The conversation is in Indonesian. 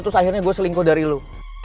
terus akhirnya gue selingkuh dari lo